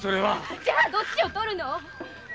じゃどっちを取るの？